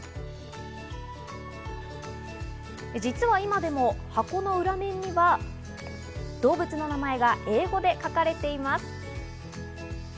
実は今でも箱の裏面には、動物の名前が英語で書かれています。